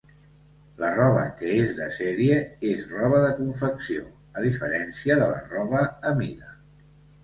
La roba que és de sèrie és roba de confecció, a diferència de la roba a mida.